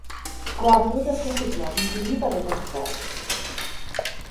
Gwadodd y cyhuddiad yn gryf ar y dechrau.